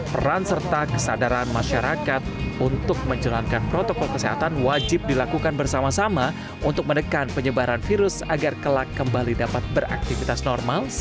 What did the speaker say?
peran serta kesadaran masyarakat untuk menjalankan protokol kesehatan wajib dilakukan bersama sama untuk menekan penyebaran virus agar kelak kembali dapat beraktivitas normal